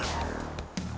itu yang gue mau